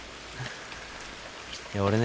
俺ね